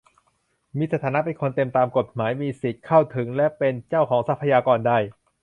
มีสถานะเป็นคนเต็มคนตามกฎหมาย มีสิทธิเข้าถึงและเป็นเจ้าของทรัพยากรได้